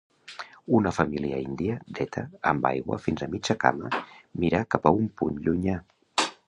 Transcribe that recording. Una família índia, dreta, amb aigua fins a mitja cama mira cap a un punt llunyà.